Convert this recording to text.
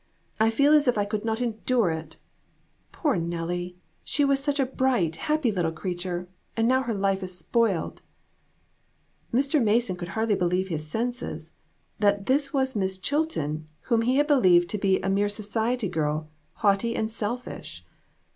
I feel as if I could 3C>6 AN EVENTFUL AFTERNOON. not endure it ! Poor Nellie ; she was such a bright, happy little creature, and now her life is spoiled !" Mr. Mason could hardly believe his senses, that this was Miss Chilton, whom he had believed to be a mere society girl, haughty and selfish